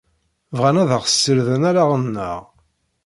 Bɣan ad aɣ-ssirden allaɣen-nneɣ.